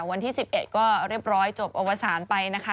วันที่๑๑ก็เรียบร้อยจบอวสารไปนะคะ